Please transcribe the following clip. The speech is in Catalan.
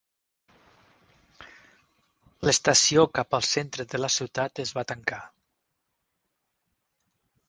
L'estació cap al centre de la ciutat es va tancar.